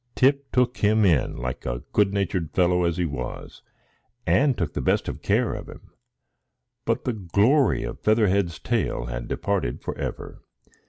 Tip took him in, like a good natured fellow as he was, and took the best of care of him; but the glory of Featherhead's tail had departed for ever.